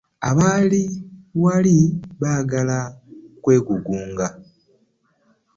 Bali wali baagala kwegugunga.